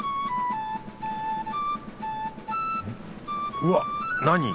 うわっ何？